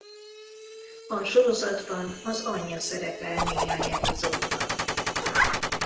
A sorozatban az anyja szerepel néhány epizódban.